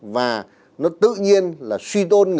và nó tự nhiên là suy tôn